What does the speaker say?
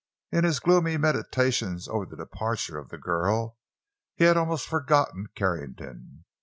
In his gloomy meditations over the departure of the girl, he had almost forgotten Carrington.